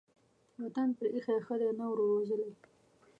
وطن پرې ايښى ښه دى ، نه ورور وژلى.